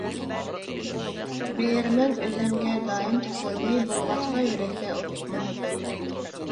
بېرىمەن ئۆزۈمگە دائىم تەسەللى، بولغاچقا يۈرەكتە ئوتلۇق مۇھەببەت.